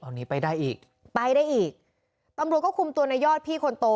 ตอนนี้ไปได้อีกไปได้อีกตำรวจก็คุมตัวในยอดพี่คนโต